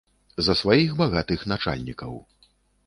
За сваіх багатых начальнікаў.